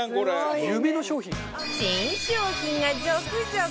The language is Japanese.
新商品が続々！